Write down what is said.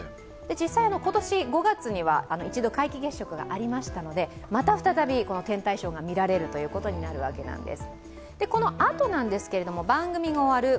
実際、今年５月には一度皆既月食がありましたのでまた再びこの天体ショーが見られることになるわけなんです。